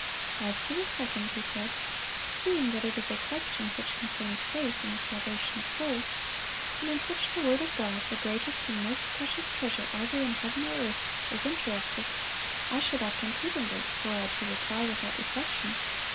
"As to the second," he said, "seeing that it is a question which concerns faith and the salvation of souls, and in which the word of God, the greatest and most precious treasure either in heaven or earth, is interested, I should act imprudently were I to reply without reflection.